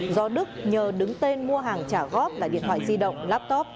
do đức nhờ đứng tên mua hàng trả góp là điện thoại di động laptop